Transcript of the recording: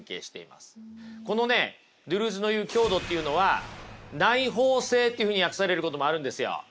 このねドゥルーズの言う強度っていうのは内包性っていうふうに訳されることもあるんですよ。